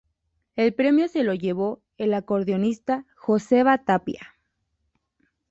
El premio se lo llevó el acordeonista Joseba Tapia.